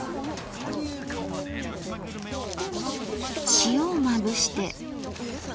塩をまぶして。